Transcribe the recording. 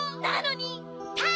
なのにっ！